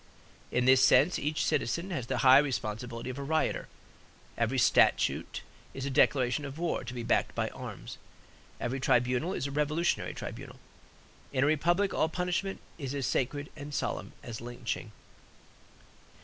In this sense each citizen has the high responsibility of a rioter. Every statute is a declaration of war, to be backed by arms. Every tribunal is a revolutionary tribunal. In a republic all punishment is as sacred and solemn as lynching.